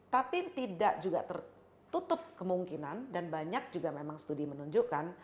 tapi tidak juga tertutup kemungkinan dan banyak juga memang studi menunjukkan